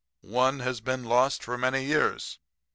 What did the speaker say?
One has been lost for many years.